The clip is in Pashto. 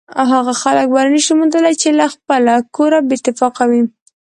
هغه خلک بری نشي موندلی چې له خپله کوره بې اتفاقه وي.